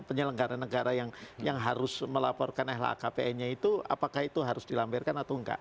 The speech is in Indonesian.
penyelenggara negara yang harus melaporkan lhkpn nya itu apakah itu harus dilampirkan atau enggak